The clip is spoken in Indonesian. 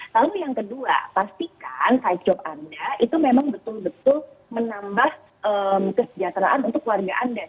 lalu yang kedua pastikan side job anda itu memang betul betul menambah kesejahteraan untuk keluarga anda